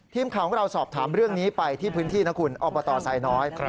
ทีมข่าวของเราสอบถามเรื่องนี้ไปที่พื้นที่นะคุณอบตไซน้อย